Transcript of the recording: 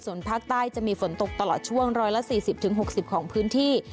ส่วนภาคใต้จะมีฝนตกตลอดช่วง๑๔๐๖๐ของพื้นที่